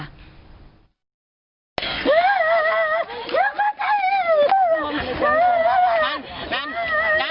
ดีละ